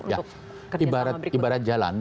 ya ibarat jalan